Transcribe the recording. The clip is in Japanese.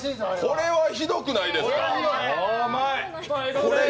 これ、ひどないですか？